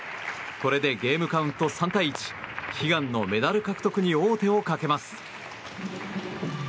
これでゲームカウント３対１悲願のメダル獲得に王手をかけます。